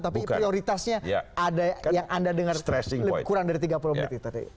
tapi prioritasnya ada yang anda dengar kurang dari tiga puluh menit itu